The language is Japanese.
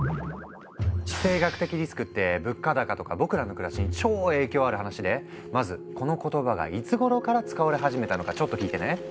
「地政学的リスク」って物価高とか僕らの暮らしに超影響ある話でまずこの言葉がいつごろから使われ始めたのかちょっと聞いてね。